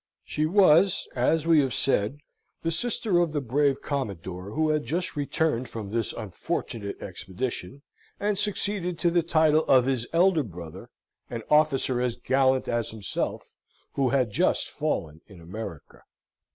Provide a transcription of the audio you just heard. She was, as we have said, the sister of the brave Commodore who had just returned from this unfortunate expedition, and succeeded to the title of his elder brother, an officer as gallant as himself, who had just fallen in America.